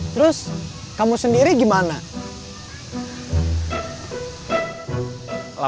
terus kamu sendiri gimana